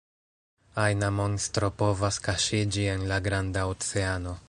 Ajna monstro povas kaŝiĝi en la granda oceano.